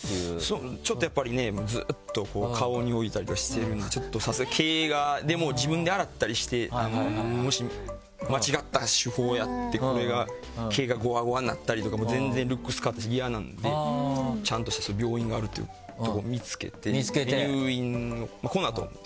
ちょっとやっぱりねずっとこう顔に置いたりとかしてるんでちょっとさすがに毛が自分で洗ったりしてもし間違った手法をやってこれが毛がごわごわになったり全然ルックス変わったら嫌なんでちゃんとした病院があるっていうとこを見つけて入院。